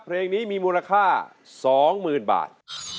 เพลงนี้มีมูลค่า๒๐๐๐บาท